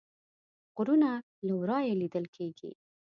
غرونه له ورایه لیدل کیږي